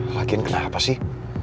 lagi kenapa sih